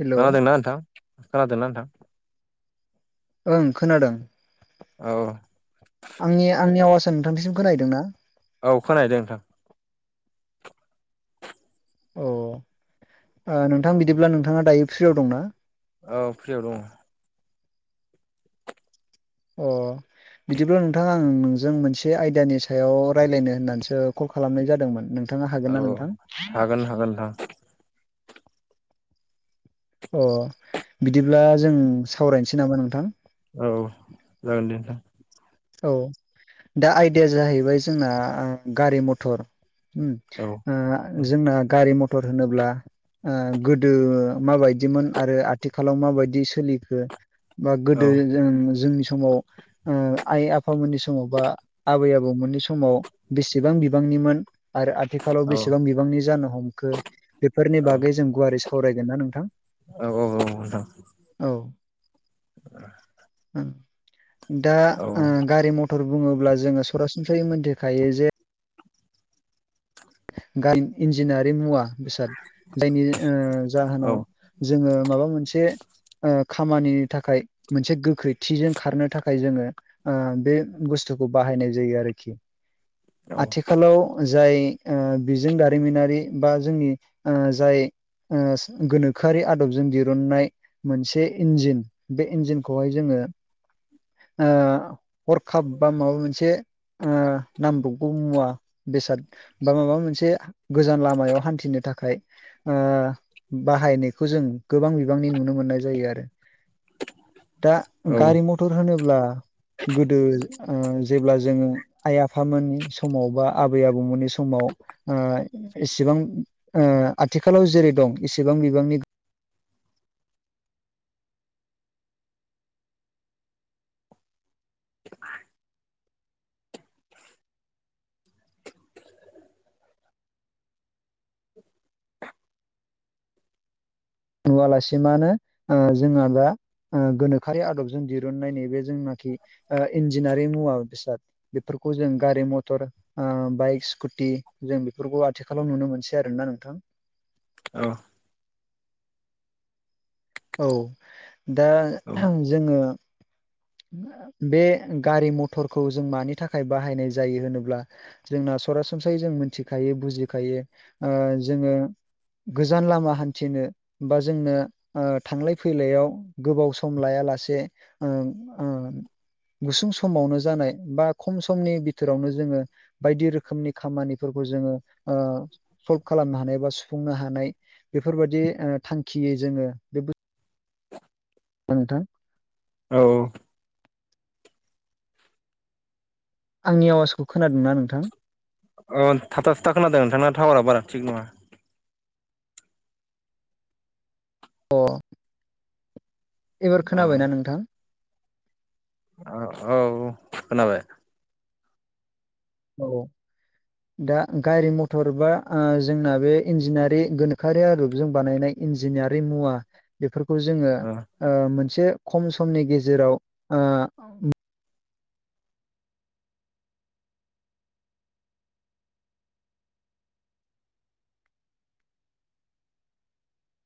Hello खोनादोंना नोंथां खोनादोंना नोंथां? ओं खोनादों। औ आंनि आंनि आवासआ नोंथांनिसिम खोनाहदों ना? औ खोनाहैदों नोंथां। अ ओ नोंथां औ बिदिब्ला नोंथाङा दायो फ्रियाव दंना? औ फ्रियाव दङ। अ बिदिब्ला नोंथां आं नोंजों मोनसे आयदानि सायाव राय्लायनो होननानैसो कल खालामनाय जादोंमोन नों? नोंथाङा औ हागोन ना औ नोंथां? हागोन नोंथां। अ बिदिब्ला जों सावरायनोसै नामा नोंथां? औ जागोन दे नोंथां। औ दा आयदाया जाहैबाय जोंना गारि मथर औ ओ औ जोंना गारि मथर होनोब्ला ओ गोदो माबायदिमोन आरो आथिखालाव माबायदि सोलिखो बा औ गोदो जों जोंनि समाव ओ आइ आफामोननि समाव बा आबै आबौमोननि समाव बेसेबां बिबांनिमोन आरो आथिखालाव औ बेसेबां बिबांनि जानो हमखो बेफोरनि बागै जों गुवारै सावरायगोन ना नोंथां। औ-औ-औ मोजां। औ दा औ ओ गारि मथर बुङोब्ला जोङो सरासनस्रै मोनथिखायो जे [unintelligible] [inaudible] गाइ इन्जिनारि मुवा बेसाद जायनि ओ औ जाहोनाव जोङो माबा मोनसे ओ खामानिनि थाखाय मोनसे गोख्रैथिजों खारनो थाखाय जोङो बे बुस्थुखौ बाहायनाय जायो आरोखि औ आथिखालाव जाय बिजों दारिमिनारि बा जोंनि जाय ओ गोनोखोआरि आदबजों दिरुनननाय मोनसे इन्जिन बे इन्जिनखौहाय जोङो ओ हरखाब बा माबा मोनसे ओ नामब्रबगौ मुवा बेसाद बा माबा मोनसे गोजान लामायाव हान्थिनो थाखाय ओ बाहायनायखौ जों गोबां बिबांनि नुनो मोननाय जायो आरो। [inaudible] दा गारि मथर होनोब्ला गोदो ओ जेब्ला जोङो आइ आफामोननि समाव बा आबै आबौमोननि समाव ओ इसेबां ओ आथिखालाव जेरै दं इसेबां बिबांनि नुवालासिमानो ओ जोंहा दा ओ गोनोखोयारि आदबजों दिरुननाय नै बे जोंनाखि ओ इन्जिनारि मुवा बेसाद बेफोरखौ जों गारि मथर ओ बाइक स्कुटि जों बेफोरखौ आथिखालाव नुनो मोनसै आरोना नोंथां। औ। औ दा जोङो बे गारि मथरखौ जों मानि थाखाय बाहायनाय जायो होनोब्ला जोंना सरासनस्रायै जों मिथिखायो बुजिखायो ओ जोङो गोजान लामा हान्थिनो बा जोंनो ओ थांलाय फैलायाव गोबाव सम लाया लासे ओ ओ [inaudible] गुसुं समावनो जानाय बा खम समनि भितोरावनो जोङो बायदि रोखोमनि खामानिफोरखौ जोङो ओ सल्भ खालामनो हानाय बा सुफुंनो हानाय बेफोरबादि ओ थांखियै जोङो बे नोंथां। औ औ। आंनि आवाजखौ खोनादोंना नोंथां? अ थाथा थुथा खोनादों नोंथांना टावारा बारा थिग नङा। अ। एबार खोनाबायना नोंथां? औ औ खोनाबाय। औ दा गारि मथर बा जोंना बे इन्जिनयारि गोनोखोआरि आदबजों बानायनाय इन्जिनियारिं मुवा बेफोरखौ जोङो औ मोनसे खम समनि गेजेराव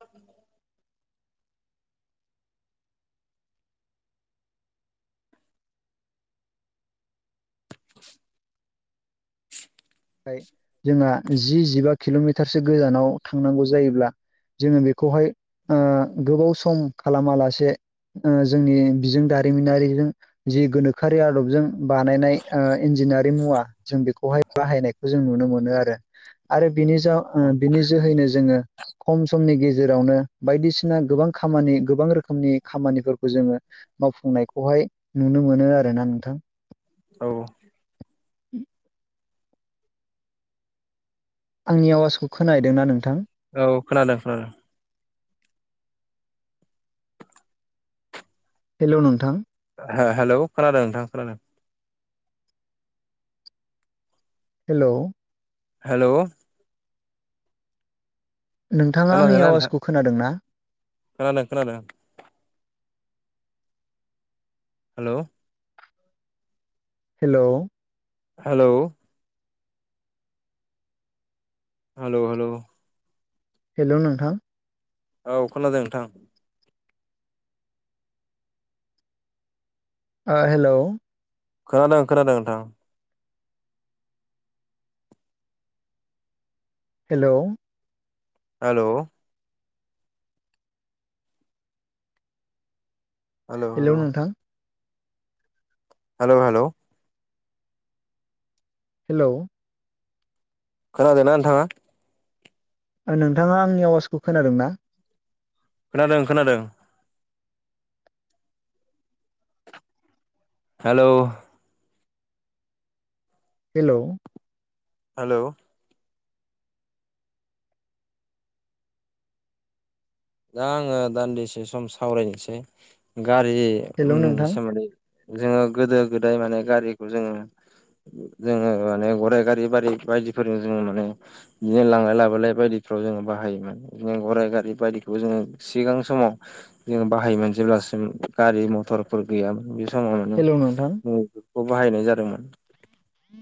उ जोंहा जि जिबा किल'मिटारसो गोजानाव थांनांगौ जायोब्ला जोङो बेखौहाय गोबाव सम खालामालासे जोंनि बिजों दारिमिनारिजों जि गोनोखोआरि आदबजों बानायनाय ओ इन्जिनारि मुवा जों बेखौहाय बाहायनाय नुनो मोनो आरो आरो बिनि जा ओ औ बिनि जा जोहैनो जोङो खम समनि गेजेरावनो बायदिसिना गोबां खामानि गोबां रोखोमनि खामानिफोरखौ जोङो मावफुंनायखौहाय नुनो मोनो आरोना नोंथां। औ। [inaudible] आंनि आवाजखौ खोनाहैदों ना नोंथां? औ खोनादों खोनादों। हेल' नोंथां हेलौ खोनादों नोंथां खोनादों हेल' हेल' नोंथाङा आंनि खोनादोंना नोंथां आवाजखौ खोनादों ना खोनादों खोनादों हेल' हेल' हेलौ हेल' हेल' हेल' नोंथां औ खोनादों नोंथां हेल' खोनादों खोनादों नोंथां हेल' हेल' हेल' हेलौ हेल' नोंथां हेल' हेल' हेल' खोनादों ना नोंथाङा नोंथाङा आंनि आवाजखौ खोनादों ना खोनादों खोनादों हेलौ हेल' हेलौ दा आङो दान्दिसे सम सावरायनोसै हेलौ गारिनि नोंथां सोमोन्दै जोङो गोदो गोदाय माने गारिखौ जोङो जोङो माने गराइ गारि बारि बायदिफोरजों जोङो माने बिदिनो लांलाय लाबोलाय बायदिफ्राव जोङो बाहायोमोन बिदिनो गराइ गारि बायदि बे जोङो सिगां समाव जोङो बाहायोमोन जेब्लासिम गारि मथरफोर गैयामोन बे समाव हेलौ नोंथां मानेखौ बाहायनाय जादोंमोन ह